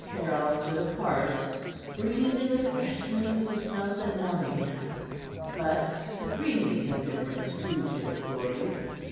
Caryll stood apart, breathing the freshness of the sunlit morning, but supremely indifferent to its glory.